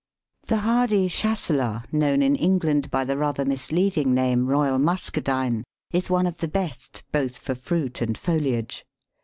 The hardy Chasselas, known in England by the rather misleading name Royal Muscadine, is one of the best, both for fruit and foliage.